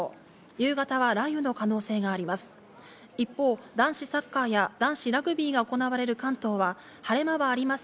夕方は雷雨の可能性があります。